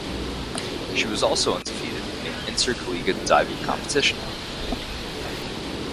She was also undefeated in intercollegiate diving competition.